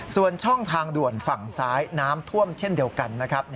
ส่วนช่องทางด่วนฝั่งซ้ายน้ำท่วมเช่นเดียวกันนะครับ